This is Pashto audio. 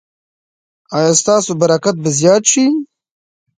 ایا ستاسو برکت به زیات شي؟